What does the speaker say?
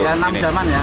ya enam jam kan ya